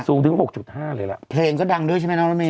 สูงถึง๖๕เลยล่ะเพลงก็ดังด้วยใช่ไหมน้องรถเมย